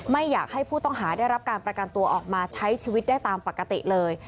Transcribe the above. ไม่อยากให้ผู้ต้องหาได้รับการประกันตัวออกมาใช้ชีวิตได้ตามปกติเลย